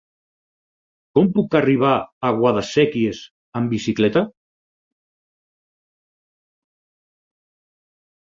Com puc arribar a Guadasséquies amb bicicleta?